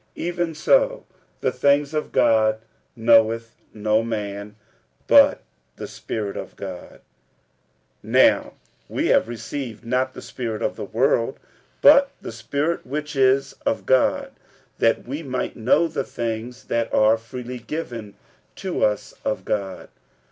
even so the things of God knoweth no man, but the Spirit of God. 46:002:012 Now we have received, not the spirit of the world, but the spirit which is of God; that we might know the things that are freely given to us of God.